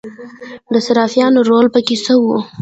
د صرافانو رول پکې څه و؟